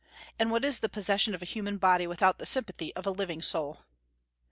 And what is the possession of a human body without the sympathy of a living soul?